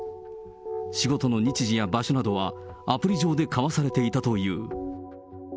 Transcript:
仕事の日時や場所などは、アプリ上で交わされていたという。